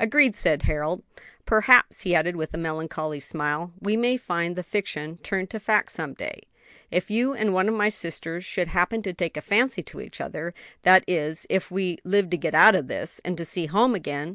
"Agreed," said Harold. "Perhaps," he added, with a melancholy smile, "we may find the fiction turned to fact some day, if you and one of my single sisters should happen to take a fancy to each other; that is, if we live to get out of this and to see home again."